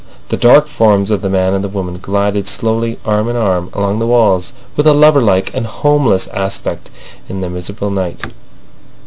The dark forms of the man and woman glided slowly arm in arm along the walls with a loverlike and homeless aspect in the miserable night.